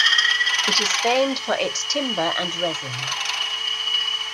It is famed for its timber and resin.